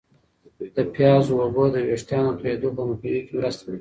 د پیازو اوبه د ویښتانو د توییدو په مخنیوي کې مرسته کوي.